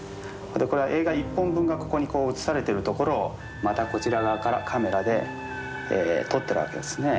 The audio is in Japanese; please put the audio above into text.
これは映画一本分がここにこう映されてるところをまたこちら側からカメラで撮ってるわけですね。